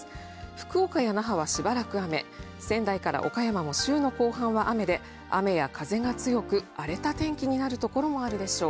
福岡や那覇はしばらく雨、仙台から岡山も週の後半は雨で荒れた天気になるところもあるでしょう。